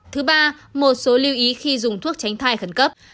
thứ ba một số lưu ý khi dùng thuốc tránh thai khẩn cấp